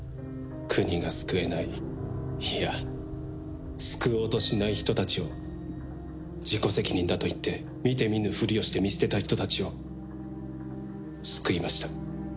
国が救えない、いや、救おうとしない人たちを、自己責任だと言って見て見ぬふりをして見捨てた人たちを救いました。